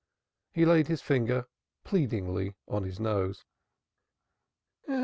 He laid his finger pleadingly on his nose.